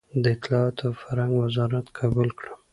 د اطلاعاتو او فرهنګ وزارت قبول کړم.